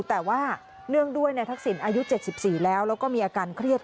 แต่ว่าเนื่องด้วยนายทักษิณอายุ๗๔แล้วแล้วก็มีอาการเครียด